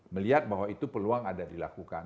melihat bahwa itu peluang ada dilakukan